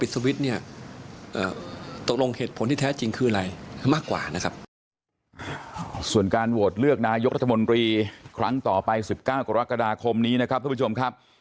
ส่วนการโหวตเลือกนายกรัฐมนตรีครั้งต่อไป๑๙กรกฎาคมนี้นะครับทุกผู้ชมครับ